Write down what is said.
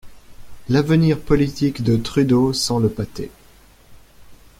L'avenir politique de Trudeau sent le pâté.